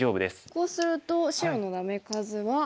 こうすると白のダメ数は。